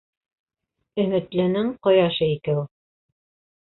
Өмөтлөнөң ҡояшы икәү.